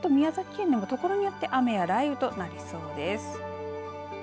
ただ、このあと宮崎県でもところによって雨や雷雨となりそうです。